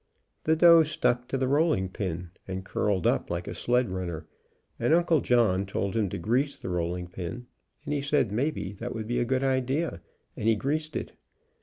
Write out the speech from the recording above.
The dough stuck to the rolling pin, and curled up like a sled runner, and Uncle John told him to grease the rolling pin, and he said maybe that would be a good idea, and he greased it.